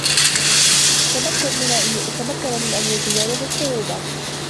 تمكن من أن يتجاوز الصعوبة.